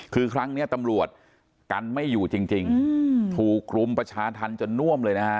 คือครั้งนี้ตำรวจกันไม่อยู่จริงถูกรุมประชาธรรมจนน่วมเลยนะฮะ